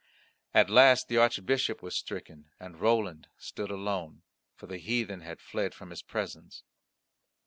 At last the Archbishop was stricken and Roland stood alone, for the heathen had fled from his presence.